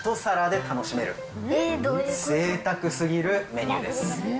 ぜいたくすぎるメニューです